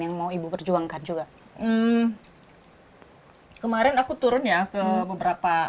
yang mau ibu perjuangkan juga kemarin aku turun ya ke beberapa